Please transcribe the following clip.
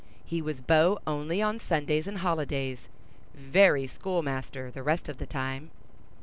He was beau only on Sundays and holidays; very schoolmaster the rest of the time.